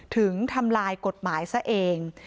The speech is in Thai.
ถึงทำลายกฎหมายซะเอง